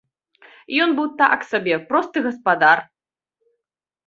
Ён быў так сабе, просты гаспадар.